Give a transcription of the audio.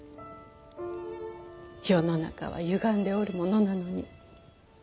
世の中はゆがんでおるものなのに。